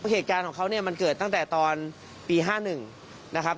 เหตุการณ์ของเขาเนี่ยมันเกิดตั้งแต่ตอนปี๕๑นะครับ